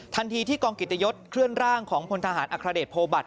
ที่กองกิตยศเคลื่อนร่างของพลทหารอัครเดชโพบัตร